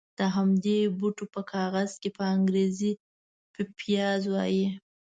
د همدې بوټي په کاغذ چې په انګرېزي پپیازي وایي.